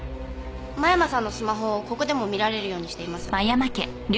間山さんのスマホをここでも見られるようにしています。